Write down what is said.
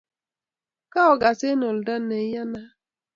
koakas eng' oldo ne iyanat